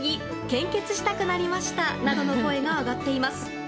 献血したくなりましたなどの声が上がっています。